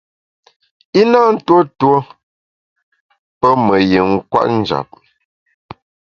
I na ntuo tuo pé me yin kwet njap.